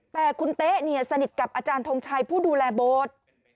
แต่คุณเต๊ะเนี่ยสนิทกับอาจารย์ทงชัยผู้ดูแลโบสถ์